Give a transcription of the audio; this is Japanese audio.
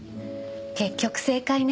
結局正解ね。